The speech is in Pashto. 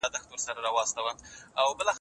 یزید به لکه خلی د زمان بادونه یوسي